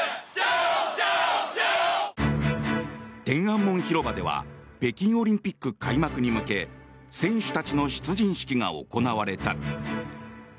天安門広場では北京オリンピック開幕に向け選手たちの出陣式が行われた。